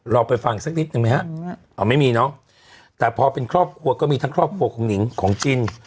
เราไปฟังสักนิดนึงไหมฮะไม่มีเนอะแต่พอเป็นครอบครัวก็มีทั้งครอบครัวของหนิงของจิน